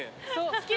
好き！